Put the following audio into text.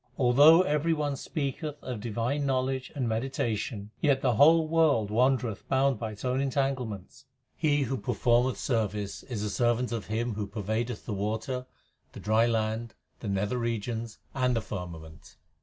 Although every one speaketh of divine knowledge and meditation, Yet the whole world wandereth bound by its own entangle ments. He who performeth service is a servant of Him Who pervadeth the water, the dry land, the nether regions, and the firmament.